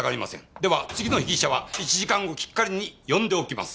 では次の被疑者は１時間後きっかりに呼んでおきます。